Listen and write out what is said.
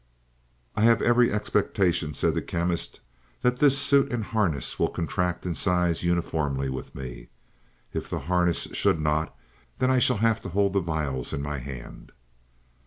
"I have every expectation," said the Chemist, "that this suit and harness will contract in size uniformly with me. If the harness should not, then I shall have to hold the vials in my hand."